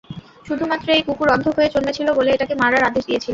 শুধুমাত্র এই কুকুর অন্ধ হয়ে জন্মেছিল বলে, এটাকে মারার আদেশ দিয়েছিলাম।